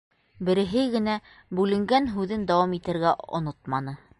Береһе генә бүленгән һүҙен дауам итергә онотманы: